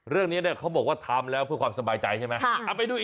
เรื่องนี้เนี่ยเขาบอกว่าทำแล้วเพื่อความสบายใจใช่ไหม